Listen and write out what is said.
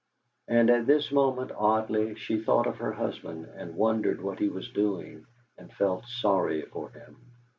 And at this moment, oddly, she thought of her husband, and wondered what he was doing, and felt sorry for him.